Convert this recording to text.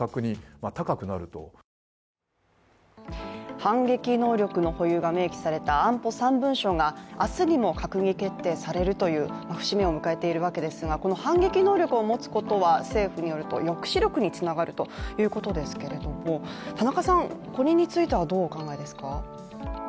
反撃能力の保有が明記された安保３文書が、明日にも閣議決定されるという節目を迎えているわけですが、この反撃能力を持つことは政府によると抑止力になるということですがこれについてはどうお考えですか。